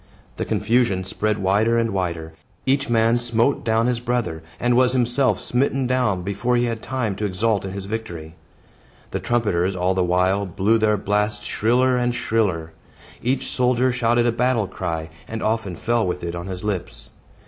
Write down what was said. The confusion spread wider and wider. Each man smote down his brother, and was himself smitten down before he had time to exult in his victory. The trumpeters, all the while, blew their blasts shriller and shriller; each soldier shouted a battle cry, and often fell with it on his lips.